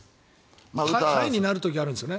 ハイになる時があるんですよね